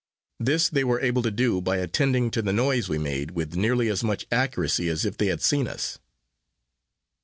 This they were able to do by attending to the noise we made, with nearly as much accuracy as if they had seen us.